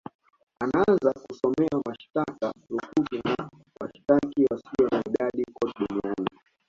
anaanza kusomewa mashitaka lukuki na washitaki wasio na idadi kote Duniani